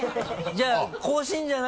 じゃあ更新じゃないんですか？